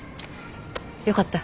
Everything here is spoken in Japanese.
よかった。